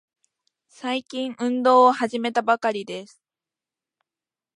最近、運動を始めたばかりです。